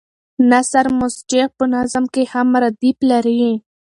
نثر مسجع په نظم کې هم ردیف لري.